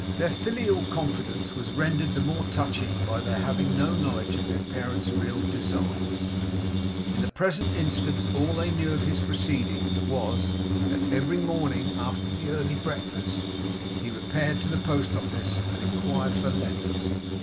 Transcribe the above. Their filial confidence was rendered the more touching, by their having no knowledge of their parent's real designs, in the present instance. All that they knew of his proceedings was, that every morning, after the early breakfast, he repaired to the post office and inquired for letters.